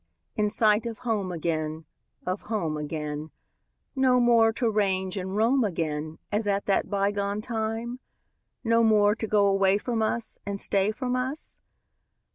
In sight of home again, Of home again; No more to range and roam again As at that bygone time? No more to go away from us And stay from us?